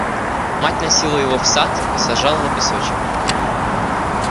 Мать носила его в сад и сажала на песочек.